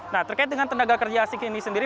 nah terkait dengan tenaga kerja asing ini sendiri